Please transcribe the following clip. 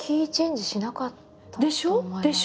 でしょ？でしょ？